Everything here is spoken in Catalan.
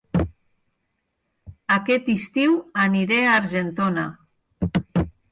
Aquest estiu aniré a Argentona